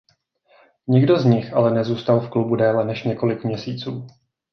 Nikdo z nich ale nezůstal v klubu déle než několik měsíců.